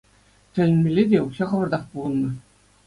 Тӗлӗнмелле те, укҫа хӑвӑртах пухӑннӑ.